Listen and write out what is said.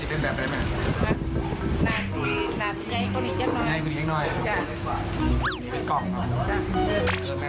ดูด้วยงั้นเมฆซักหน่อย